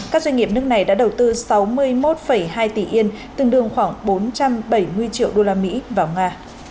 các doanh nghiệp nước này đã đầu tư sáu mươi một hai tỷ yên tương đương khoảng bốn trăm bảy mươi triệu usd vào nga